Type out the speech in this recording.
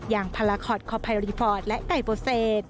อย่างพาราคอร์ดคอร์ไภรีฟอร์ดและไก่โปเสธ